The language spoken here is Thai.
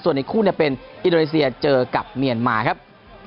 ส่วนอีกคู่เป็นอินโดนีเซียเจอกับเมียนมาครับ